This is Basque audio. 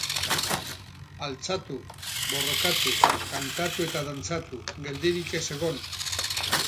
Altxatu, borrokatu, kantatu eta dantzatu, geldirik ez egon.